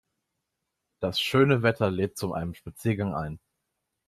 Das schöne Wetter lädt zu einem Spaziergang ein.